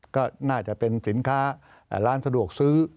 ก็น่าจะเป็นสินค้าร้านสะดวกซื้อ